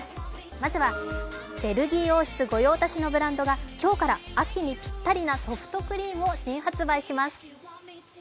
まずは、ベルギー王室御用達のブランドが今日から秋にぴったりなソフトクリームを新発売します。